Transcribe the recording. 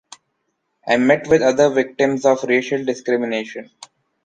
I met with other victims of racial discrimination.